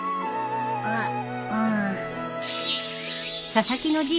あっうん。